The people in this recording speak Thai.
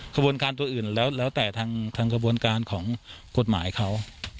กระบวนการตัวอื่นแล้วแต่ทางกระบวนการของกฎหมายเขา